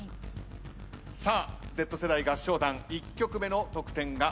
さあＺ世代合唱団１曲目の得点が出ました。